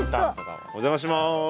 お邪魔します。